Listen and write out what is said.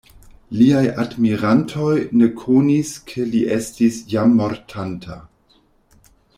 Liaj admirantoj ne konis ke li estis jam mortanta.